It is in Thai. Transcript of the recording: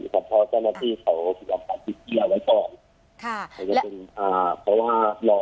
เพราะว่ารอห้างเจ้าหน้าที่ที่สุดนัดผ่านเข้ามาเจ็บนัดผ่านก่อน